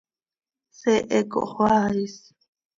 Seehe cohxoaa is.